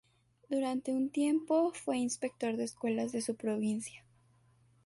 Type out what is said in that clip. Durante un tiempo fue inspector de escuelas de su provincia.